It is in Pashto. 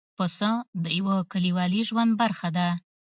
پسه د یوه کلیوالي ژوند برخه ده.